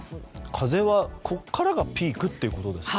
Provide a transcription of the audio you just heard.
風はここからがピークということですか。